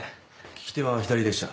利き手は左でした。